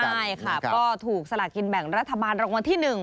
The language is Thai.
ใช่ค่ะก็ถูกสลากินแบ่งรัฐบาลรางวัลที่๑